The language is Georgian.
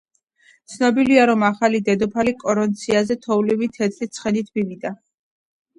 ცნობილია, რომ ახალი დედოფალი კორონაციაზე თოვლივით თეთრი ცხენით მივიდა.